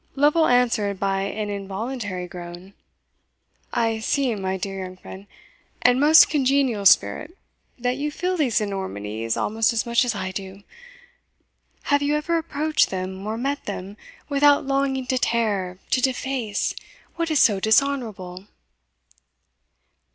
Lovel answered by an involulatary groan. "I see, my dear young friend, and most congenial spirit, that you feel these enormities almost as much as I do. Have you ever approached them, or met them, without longing to tear, to deface, what is so dishonourable?"